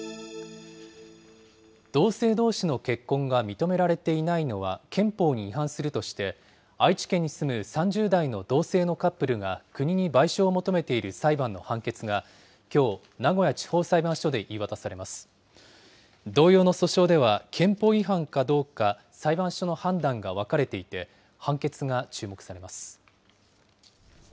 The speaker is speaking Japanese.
同性どうしの結婚が認められていないのは、憲法に違反するとして、愛知県に住む３０代の同性のカップルが国に賠償を求めている裁判の判決がきょう、名古屋地方裁判所で同様の訴訟では、憲法違反かどうか裁判所の判断が分かれていて、判決が注目されます。